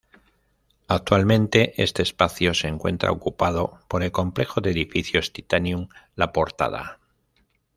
Actualmente este espacio se encuentra ocupado por el complejo de edificios Titanium La Portada